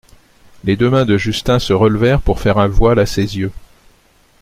Les deux mains de Justin se relevèrent pour faire un voile à ses yeux.